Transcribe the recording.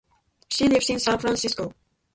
She lives in San Francisco.